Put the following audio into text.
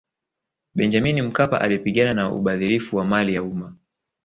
benjamini mkapa alipigana na ubadhirifu wa mali ya umma